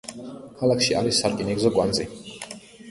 ქალაქში არის სარკინიგზო კვანძი.